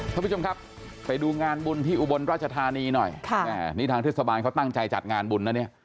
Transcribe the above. ท่านผู้ชมครับไปดูงานบุญที่อุบลราชธานีหน่อยค่ะแม่นี่ทางเทศบาลเขาตั้งใจจัดงานบุญนะเนี่ย